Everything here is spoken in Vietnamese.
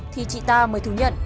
thì chị ta mới thủ nhận